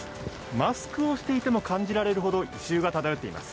マスクをしていても感じられるほど異臭が漂っています。